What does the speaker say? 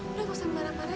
udah gak usah marah marah